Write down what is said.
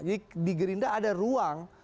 jadi di gerindra ada ruang